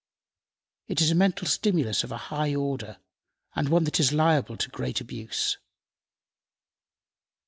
It is a mental stimulus of a high order, and one that is liable to great abuse.